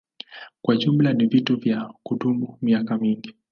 Kwa jumla ni vitu vya kudumu miaka mingi.